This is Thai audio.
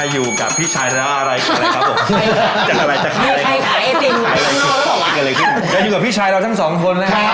อยู่กับพี่ชายเราทั้งสองคนนะครับ